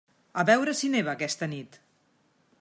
A veure si neva aquesta nit.